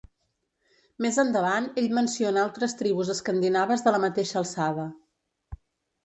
Més endavant ell menciona altres tribus escandinaves de la mateixa alçada.